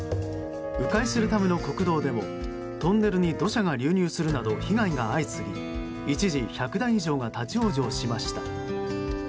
迂回するための国道でもトンネルに土砂が流入するなど被害が相次ぎ一時、１００台以上が立ち往生しました。